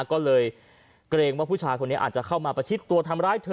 ก็เลยเกรงว่าผู้ชายคนนี้อาจจะเข้ามาประชิดตัวทำร้ายเธอ